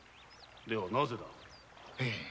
ではなぜだ？